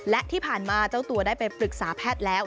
และที่ผ่านมาเจ้าตัวได้ไปปรึกษาแพทย์แล้ว